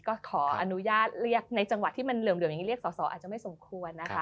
ก็ขออนุญาตเรียกในจังหวัดที่มันเหลื่อมอย่างนี้เรียกสอสออาจจะไม่สมควรนะคะ